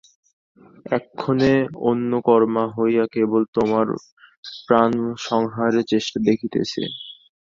এক্ষণে অনন্যকর্মা হইয়া কেবল তোমার প্রাণসংহারের চেষ্টা দেখিতেছে।